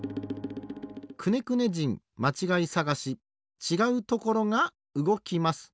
「くねくね人まちがいさがし」ちがうところがうごきます。